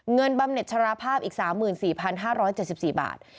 บำเน็ตชราภาพอีก๓๔๕๗๔บาท